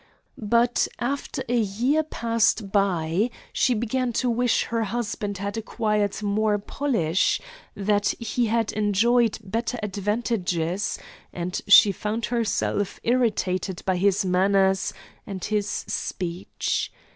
But after a year passed by she began to wish her husband had acquired more polish that he had enjoyed better advantages and she found herself irritated by his manners and his speech.